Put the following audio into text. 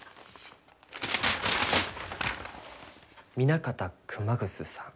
南方熊楠さん。